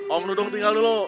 om dudung tinggal dulu